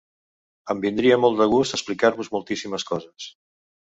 Em vindria molt de gust explicar-vos moltíssimes coses.